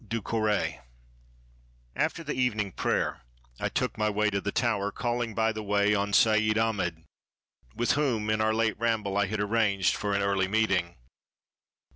DU COURET After the evening prayer, I took my way to the Tower, calling by the way on Seid Ahmed, with whom in our late ramble I had arranged for an early meeting.